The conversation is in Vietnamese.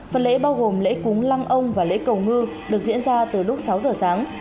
phần lễ bao gồm lễ cúng lăng ông và lễ cầu ngư được diễn ra từ lúc sáu giờ sáng